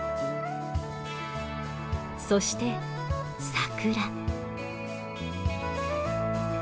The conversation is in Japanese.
そして桜。